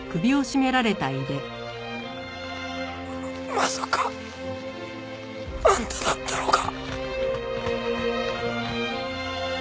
まさかあんただったのか。